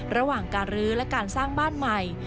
ระหว่างการรื้อและการสร้างบ้านใหม่